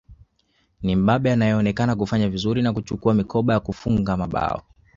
Ni Mbabe anayeonekana kufanya vizuri na kuchukua mikoba ya kufunga mabao